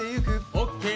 オーケー。